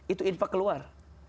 itu juga keluar